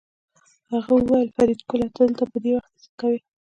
هغه وویل فریدګله ته دلته په دې وخت څه کوې